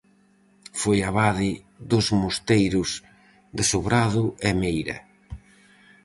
Foi abade dos mosteiros de Sobrado e Meira.